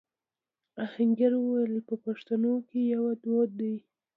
آهنګر وويل: په پښتنو کې يو دود دی.